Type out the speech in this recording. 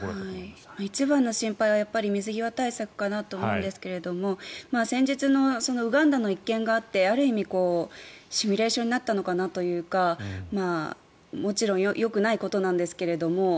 一番の心配は水際対策かなと思うんですが先日のウガンダの一件があってある意味シミュレーションになったのかなというかもちろんよくないことなんですけれども。